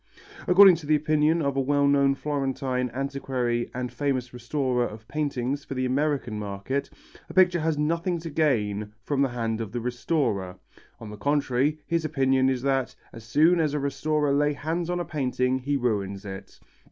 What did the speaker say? According to the opinion of a well known Florentine antiquary and famous restorer of paintings for the American market, a picture has nothing to gain from the hand of the restorer. On the contrary, his opinion is that: "As soon as a restorer lays hands on a painting he ruins it."